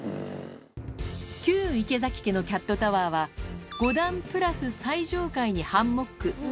旧池崎家のキャットタワーは、５段プラス最上階にハンモック。